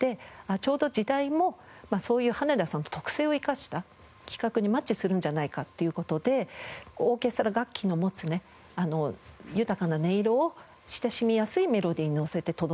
ちょうど時代もそういう羽田さんの特性を生かした企画にマッチするんじゃないかという事でオーケストラ楽器の持つね豊かな音色を親しみやすいメロディーにのせて届ける。